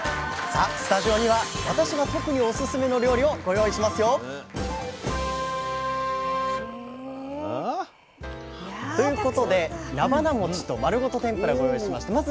さあスタジオには私が特にオススメの料理をご用意しますよ！ということでなばなもちと丸ごと天ぷらご用意しました。